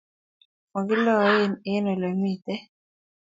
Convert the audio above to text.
Magiloen eng olamite